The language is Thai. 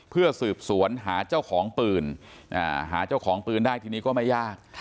เพื่อสืบสวนหาเจ้าของปืนหาเจ้าของปืนได้ทีนี้ก็ไม่ยาก